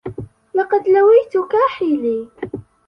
لقد لويت كاحلي.